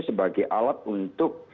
sebagai alat untuk